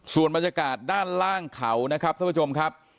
ส่วนบรรยากาศด้านล่างเขานะครับท่านผู้ชมครับ